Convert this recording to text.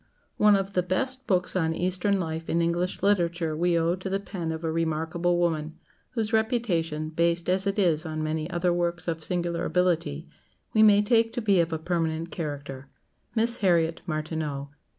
One of the best books on Eastern life in English literature we owe to the pen of a remarkable woman, whose reputation, based as it is on many other works of singular ability, we may take to be of a permanent character Miss Harriet Martineau.